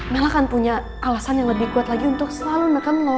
mel akan punya alasan yang lebih kuat lagi untuk selalu neken lo